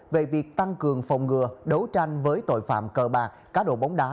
về việc tăng cường phòng ngừa đấu tranh với tội phạm cờ bạc cá độ bóng đá